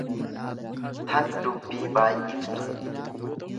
tan dubbii baay'iftu.